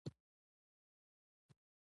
زه لا هم د افغانستان د زیان خوب وینم.